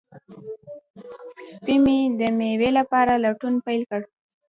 سپی مې د مېوې لپاره لټون پیل کړ.